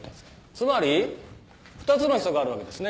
つまり２つのヒ素があるわけですね。